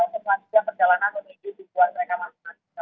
memperkenalkan yang kami dapatkan dari tingkat besar gaindanya